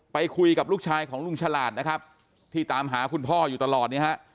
ไปคุยกับลูกชายของลุงฉลาดนะครับที่ตามหาคุณพ่ออยู่ตลอดเนี่ยฮะ